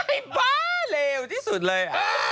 ไอ้บ้าเลวที่สุดเลย